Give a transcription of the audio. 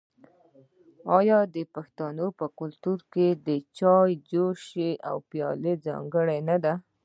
آیا د پښتنو په کلتور کې د چای جوش او پیالې ځانګړي نه دي؟